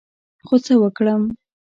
خو څه وکړم ؟